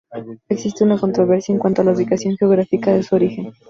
Existe controversia en cuanto a la ubicación geográfica de su origen.